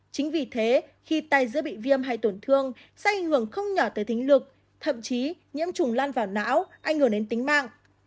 chính vì thế khi tay giữa bị viêm hay tổn thương sẽ ảnh hưởng không nhỏ tới tính lực thậm chí nhiễm trùng lan vào não ảnh hưởng đến tính mạng